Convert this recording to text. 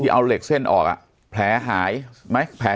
เตี่ยวที่เอาเหล็กเส้นออกอ่ะแผลหายไหมแผล